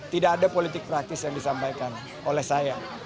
tidak ada politik praktis yang disampaikan oleh saya